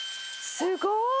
すごい！